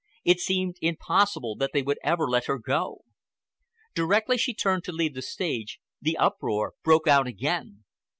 It seemed impossible that they would ever let her go. Directly she turned to leave the stage, the uproar broke out again.